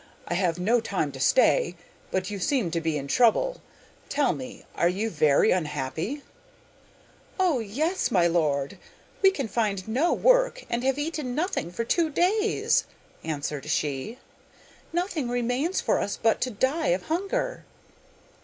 I have no time to stay, but you seemed to be in trouble. Tell me; are you very unhappy?' 'Oh, my lord, we can find no work and have eaten nothing for two days!' answered she. 'Nothing remains for us but to die of hunger.